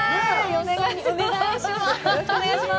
お願いします！